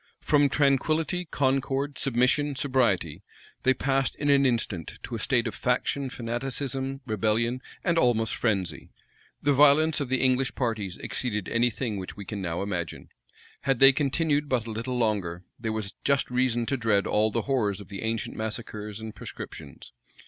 From tranquillity, concord, submission, sobriety, they passed in an instant to a state of faction, fanaticism, rebellion, and almost frenzy. The violence of the English parties exceeded any thing which we can now imagine: had they continued but a little longer, there was just reason to dread all the horrors of the ancient massacres and proscriptions.